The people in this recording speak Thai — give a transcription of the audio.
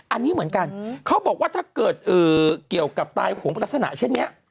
อันนี้เหมือนกันเขาบอกว่าถ้าเกิดเกี่ยวกับตายหงลักษณะเช่นนี้